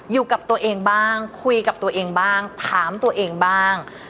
อยู่กับตัวเองบ้างคุยกับตัวเองบ้างถามตัวเองบ้าง